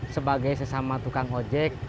sebagai sesama tukang ojek